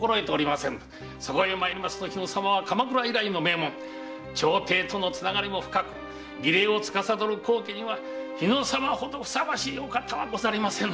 日野様は鎌倉以来の名門朝廷とのつながりも深く儀礼を司る高家には日野様ほどふさわしいお方はござりませぬ。